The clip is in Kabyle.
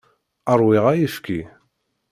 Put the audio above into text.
Ṛwiɣ ayefki.